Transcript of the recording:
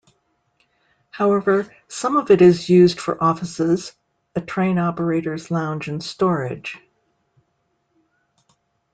However, some of it is used for offices, a train operators' lounge and storage.